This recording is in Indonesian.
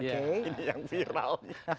ini yang viral